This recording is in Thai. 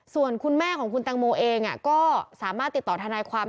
ส่วนคุณแม่ของคุณตังโมเองก็สามารถติดต่อทนายความ